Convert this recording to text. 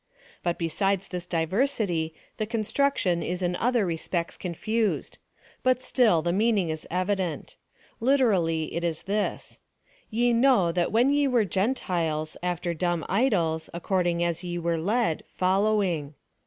But besides this diversity, the construction is in other respects contused ; but still, the meaning is evident. Literally, it is this : Ye know, that when ye were Gentiles, after dumb idols, according as ye were led, following.